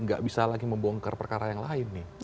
nggak bisa lagi membongkar perkara yang lain nih